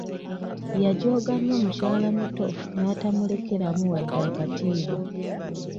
Yajooga nnyo mukyala muto n'atamulekeramu wadde akatiibwa.